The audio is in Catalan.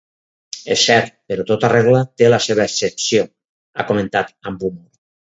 És cert, però tota regla té la seva excepció, ha comentat amb humor.